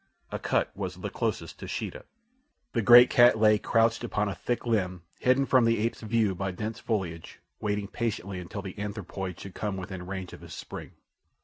Akut was the closest to Sheeta. The great cat lay crouched upon a thick limb, hidden from the ape's view by dense foliage, waiting patiently until the anthropoid should come within range of his spring.